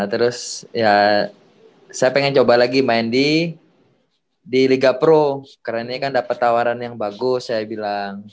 terus ya saya pengen coba lagi main di di liga pro karena ini kan dapat tawaran yang bagus saya bilang